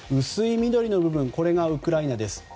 薄い緑の部分がウクライナです。